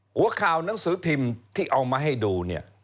หัวข่าวหนังสือพิมพ์ที่เอามาให้ดูเนี่ย